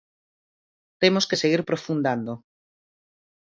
Temos que seguir profundando.